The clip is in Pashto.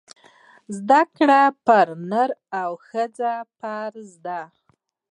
زده کړه پر نر او ښځي فرځ ده